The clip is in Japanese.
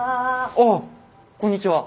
ああこんにちは。